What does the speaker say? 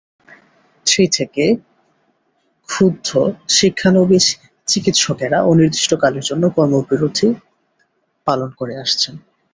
সেই থেকে ক্ষুব্ধ শিক্ষানবিশ চিকিত্সকেরা অনির্দিষ্টকালের জন্য কর্মবিরতি পালন করে আসছেন।